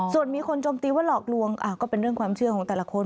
ส่วนมีคนจมตีว่าหลอกลวงก็เป็นเรื่องความเชื่อของแต่ละคน